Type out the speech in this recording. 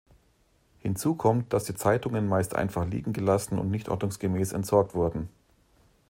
Hinzu kommt, dass die Zeitungen meist einfach liegen gelassen und nicht ordnungsgemäß entsorgt wurden.